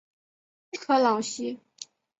科朗西。